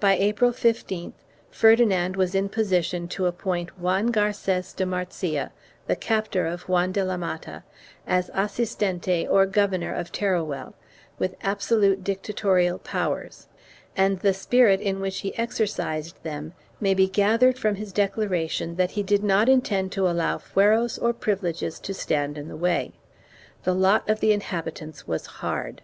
By April 15th Ferdinand was in position to appoint Juan Garces de Marzilla, the captor of Juan CHAP. V] RESISTANCE IN TERUEL 249 de la Mata, as assistente or governor of Teruel, with absolute dicta torial powers, and the spirit in which he exercised them may be gathered from his declaration that he did not intend to allow fueros or privileges to stand in the way. The lot of the inhabi tants was hard.